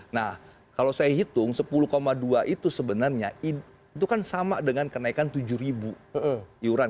nah kalau saya hitung sepuluh dua itu sebenarnya itu kan sama dengan kenaikan tujuh ribu iuran